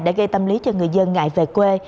đã gây tâm lý cho người dân ngại về quê